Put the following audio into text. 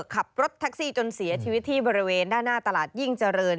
ขับรถแท็กซี่จนเสียชีวิตที่บริเวณด้านหน้าตลาดยิ่งเจริญ